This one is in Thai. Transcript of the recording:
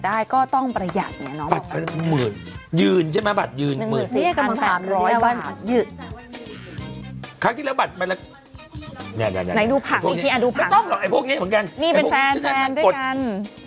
ไม่ต้องหรอกไอ้พวกนี้เหมือนกัน